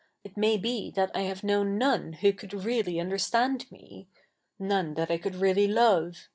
It may be that I have known none ivho could really understand me— none that I could really love.